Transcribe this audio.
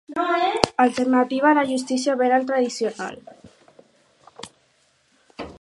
Alternativa a la justícia penal tradicional.